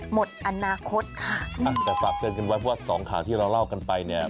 หมดอนาคตค่ะอ่ะแต่ฝากเตือนกันไว้เพราะว่าสองข่าวที่เราเล่ากันไปเนี่ย